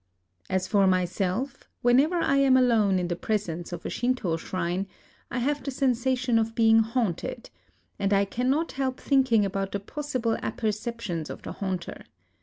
As for myself, whenever I am alone in the presence of a Shinto shrine, I have the sensation of being haunted ; and I cannot help thinking about the possible apperceptions of the haunter.